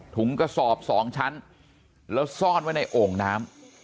ถุงกระสอบ๒ชั้นแล้วซ่อนไว้ในโอ่งน้ำ